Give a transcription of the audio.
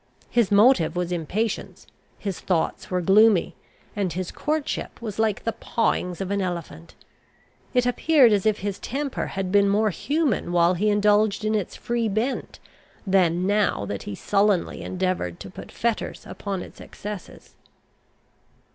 His motive was impatience, his thoughts were gloomy, and his courtship was like the pawings of an elephant. It appeared as if his temper had been more human while he indulged in its free bent, than now that he sullenly endeavoured to put fetters upon its excesses.